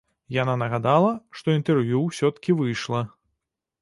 Яна нагадала, што інтэрв'ю ўсё-ткі выйшла.